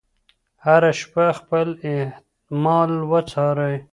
هره شپه خپل اعمال وڅارئ.